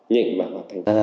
nhịn và hoạt thành